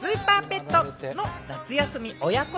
スーパーペット』の夏休み親子